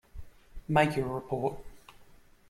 Make your report.